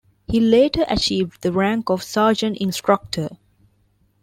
He later achieved the rank of Sergeant Instructor.